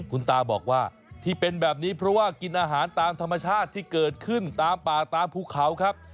คุณตาบอกว่าที่เป็นแบบนี้เพราะว่ากินอาหารตามธรรมชาติที่เกิดขึ้นตามป่าตามภูเขาครับ